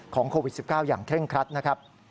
โควิด๑๙อย่างเคร่งครัดนะครับ